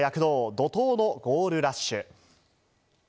怒涛のゴールラッシュ。